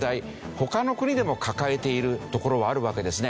他の国でも抱えている所はあるわけですね。